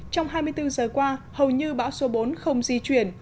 trong hai mươi bốn giờ qua hầu như bão số bốn không di chuyển